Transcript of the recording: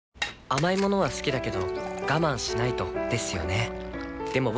甘い物は好きだけど我慢しないとですよね